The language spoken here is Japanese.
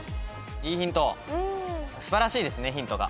すばらしいですねヒントが。